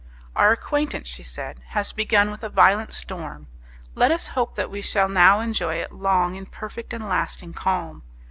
"Our acquaintance," she said, "has begun with a violent storm; let us hope that we shall now enjoy it long in perfect and lasting calm.